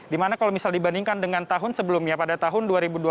dimana kalau misal dibandingkan dengan tahun sebelumnya pada tahun dua ribu dua puluh